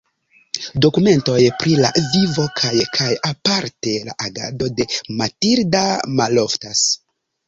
Dokumentoj pri la vivo kaj kaj aparte la agado de Matilda maloftas.